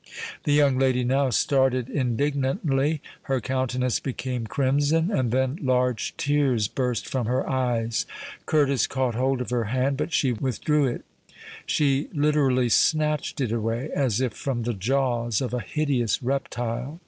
The young lady now started indignantly—her countenance became crimson—and then large tears burst from her eyes. Curtis caught hold of her hand—but she withdraw it,—she literally snatched it away, as if from the jaws of a hideous reptile.